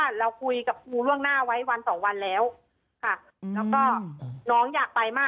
ตอนที่จะไปอยู่โรงเรียนนี้แปลว่าเรียนจบมไหนคะ